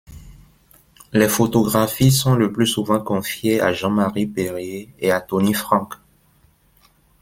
Les photographies sont le plus souvent confiées à Jean-Marie Périer et à Tony Frank.